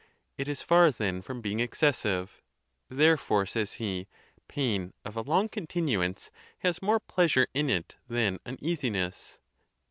It is far, then, from being excessive. Therefore, says he, pain of a long continuance has more pleasure in it than uneasiness.